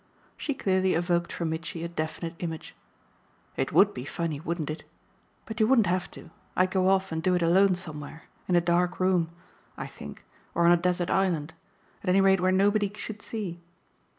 She clearly evoked for Mitchy a definite image. "It WOULD be funny, wouldn't it? But you wouldn't have to. I'd go off and do it alone somewhere in a dark room, I think, or on a desert island; at any rate where nobody should see.